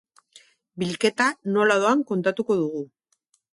Bilketa nola doan kontatuko dugu.